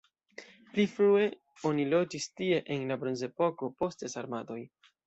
Pli frue oni loĝis tie en la bronzepoko, poste sarmatoj.